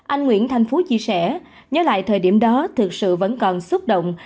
anh nguyễn thanh phú chia sẻ nhớ lại thời điểm đó thực sự vẫn còn xúc động